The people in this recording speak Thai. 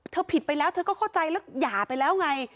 ผิดไปแล้วเธอก็เข้าใจแล้วหย่าไปแล้วไง